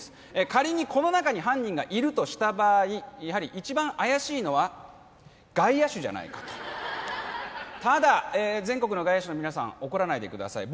仮にこの中に犯人がいるとした場合やはり一番怪しいのは外野手じゃないかとただ全国の外野手の皆さん怒らないでください